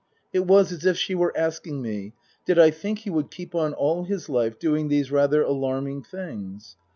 It was as if she were asking me, Did I think he would keep on all his life doing these rather alarming things